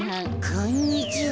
こんにちは。